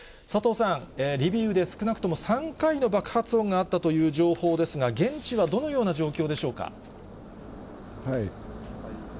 佐藤さん、リビウで少なくとも３回の爆発音があったという情報ですが、現地はどのような状況でしょうか。